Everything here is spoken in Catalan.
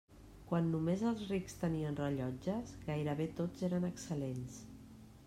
Quan només els rics tenien rellotges, gairebé tots eren excel·lents.